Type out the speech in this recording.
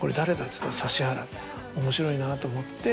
っつったら指原面白いなと思って。